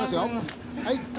はい。